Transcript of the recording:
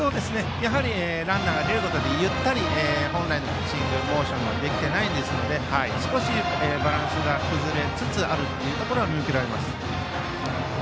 ランナーが出ることでゆったりした本来のピッチングモーションができていないので少しバランスが崩れつつあるところは見受けられます。